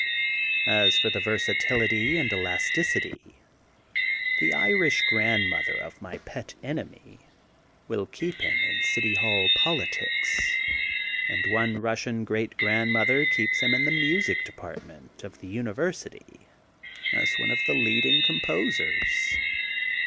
^^As for the versatility and elasticity, the Irish grandmother of my pet enemy will keep him in city hall politics, and one Bussian great grandmother keeps him in the music department of the University, as one of the THE GOLDEN BOOK OF SPRINGFIELD 281 leading composers.